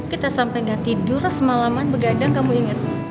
kita sampai gak tidur semalaman begadang kamu inget